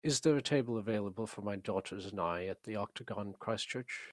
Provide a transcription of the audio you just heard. is there a table available for my daughters and I at The Octagon, Christchurch